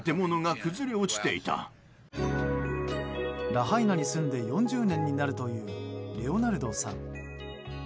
ラハイナに住んで４０年になるというレオナルドさん。